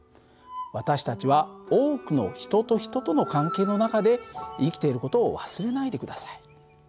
私たちは多くの人と人との関係の中で生きている事を忘れないで下さい。